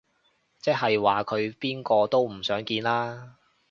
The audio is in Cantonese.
即係話佢邊個都唔想見啦